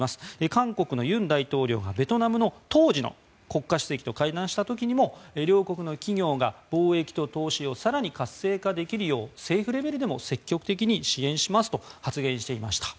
韓国の尹大統領がベトナムの当時の国家主席と会談した時にも両国の企業が貿易と投資を更に活性化できるよう政府レベルでも積極的に支援しますと発言していました。